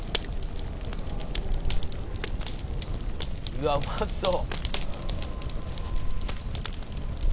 「うわっうまそう」